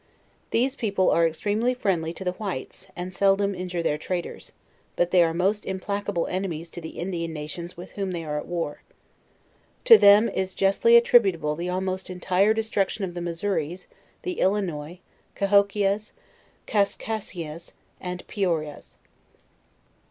These people are extremely friendly to the whites, and seldom injure their traders; but they are most implacable enemies to the Indian nations with whom they are at war. To them is justly attributable the almost entire des truction of the Missouris, the Illinois, Cahokias, Kaskaskias, and Piorias.